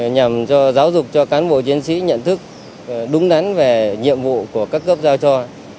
nhằm cho giáo dục cho cán bộ chiến sĩ nhận thức đúng đắn về nhiệm vụ của các cấp giao cho